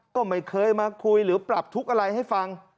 ก็ไม่เคยมาคุยหรือปรับทุกข์อะไรให้ฟัง